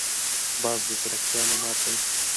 باز د ځیرکتیا نماد دی